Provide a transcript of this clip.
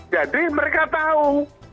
jadi mereka tahu